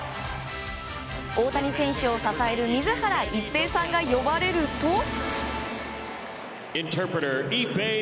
大谷選手を支える水原一平さんが呼ばれると。